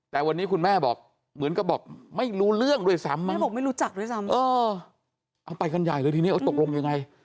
แต่วันนี้คุณแม่บอกเหมือนกับบอกไม่รู้เรื่องด้วยซ้ำแม่บอกไม่รู้จักด้วยซ้ำเออเอาไปกันใหญ่เลยทีนี้เอาตกลงยังไง